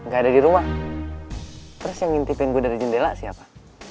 gak ada di rumah terus yang ngintipin gue dari jendela siapa